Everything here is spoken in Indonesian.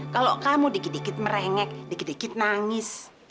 kalau kamu dikit dikit merengek dikit dikit nangis